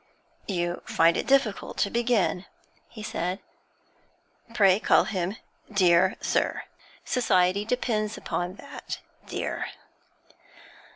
'You find it difficult to begin,' he said. 'Pray call him "dear sir." Society depends upon that "dear."'